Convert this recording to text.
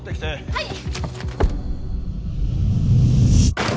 はい！